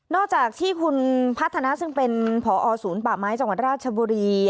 นอกจากที่คุณพัฒนะเจริญยศรศูนย์ประหมายจังหวัดราชบุรี